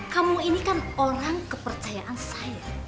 kamu ini kan orang kepercayaan saya